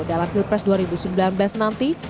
dalam hill press dua ribu sembilan belas nanti